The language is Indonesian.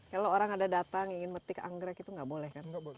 kalau orang ada datang ingin metik anggrek itu nggak boleh kan